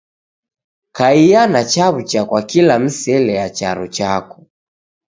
Kaia na chaw'ucha kwa kila misele ya charo chako.